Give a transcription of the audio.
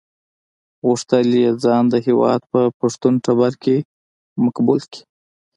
غوښتل یې ځان د هېواد په پښتون ټبر کې مقبول کړي.